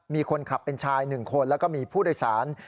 มีคนขับเป็นชาย๑คนแล้วก็มีผู้โดยสาร